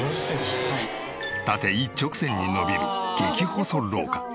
縦一直線に伸びる激細廊下。